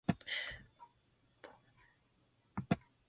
Bruton batted left-handed and threw right-handed.